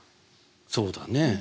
そうだねえ。